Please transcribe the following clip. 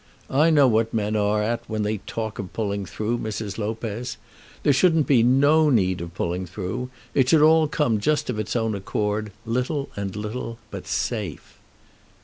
I know what men are at when they talk of pulling through, Mrs. Lopez. There shouldn't be no need of pulling through. It should all come just of its own accord, little and little; but safe."